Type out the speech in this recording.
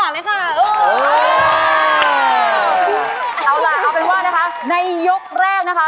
เอาล่ะเอาเป็นว่านะคะในยกแรกนะคะ